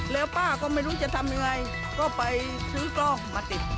แล้วป้าก็ไม่รู้จะทำยังไงก็ไปซื้อกล้องมาติด